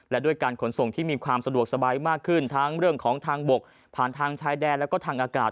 และด้วยการขนส่งที่มีความสะดวกสบายมากขึ้นทั้งเรื่องของทางบกผ่านทางชายแดนแล้วก็ทางอากาศ